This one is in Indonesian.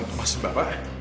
oh maksud bapak